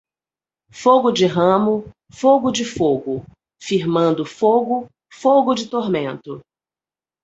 Fogo de ramo, fogo de fogo; Firmando fogo, fogo de tormento.